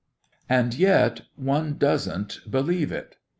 And yet one doesn't believe it.